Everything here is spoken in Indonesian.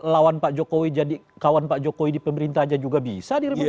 lawan pak jokowi jadi kawan pak jokowi di pemerintah aja juga bisa